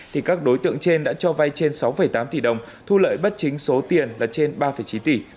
thì các đối tượng trên đã cho vay trên sáu tám tỷ đồng thu lợi bất chính số tiền là trên ba chín tỷ